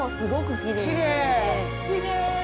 ◆きれーい。